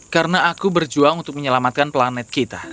karena aku berjuang untuk menyelamatkan planet kita